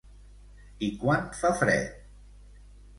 I quan fa fred?